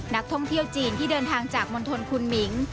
นักท่องเที่ยวจีนที่เดินทางจากมณฑลคุณหมิง